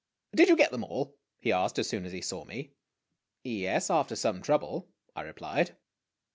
"Did you get them all?" he asked, as soon as he saw me. "Yes; after some trouble," I replied.